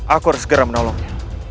aku harus segera menolongnya